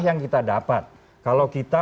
yang kita dapat kalau kita